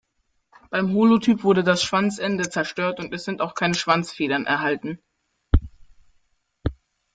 Beim Holotyp wurde das Schwanzende zerstört und es sind auch keine Schwanzfedern erhalten.